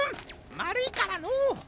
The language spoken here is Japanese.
まるいからのう。